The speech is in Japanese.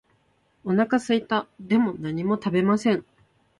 お腹すいた。でも何も食べません。